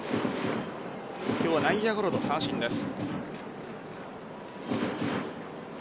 今日は内野ゴロと三振です。